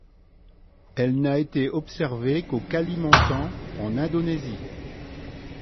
Elle n'a été observé qu'au Kalimantan en Indonésie.